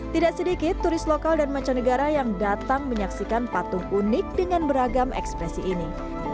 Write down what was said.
tidak sedikit turis lokal dan mancanegara yang datang menyaksikan patung unik dengan beragam ekspresi ini